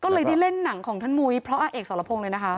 ก็เลยได้เล่นหนังของท่านมุ้ยเพราะอาเอกสรพงศ์เลยนะคะ